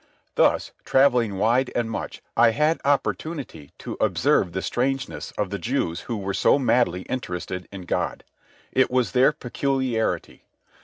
Thus, travelling wide and much, I had opportunity to observe the strangeness of the Jews who were so madly interested in God. It was their peculiarity.